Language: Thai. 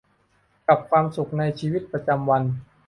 กับความสุขในชีวิตประจำวัน